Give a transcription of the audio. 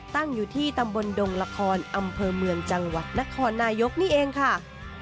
ตั้งอยู่ที่ตำบลดงละครอำเภอเมืองจังหวัดนครนายกนี่เองค่ะ